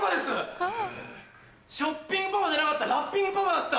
ショッピングパパじゃなかったラッピングパパだった。